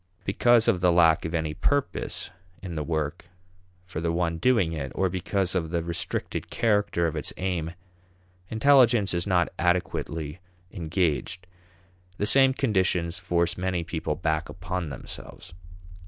Because of the lack of any purpose in the work for the one doing it, or because of the restricted character of its aim, intelligence is not adequately engaged. The same conditions force many people back upon themselves.